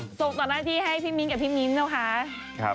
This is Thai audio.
ส่งต่อหน้าที่ให้พี่มิ้นกับพี่มิ้นท์นะคะ